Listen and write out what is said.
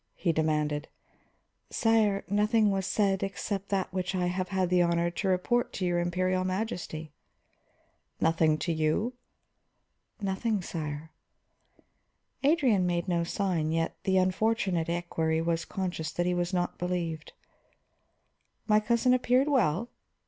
he demanded. "Sire, nothing was said except that which I have had the honor to report to your Imperial Majesty." "Nothing to you?" "Nothing, sire." Adrian made no sign, yet the unfortunate equery was conscious that he was not believed. "My cousin appeared well?"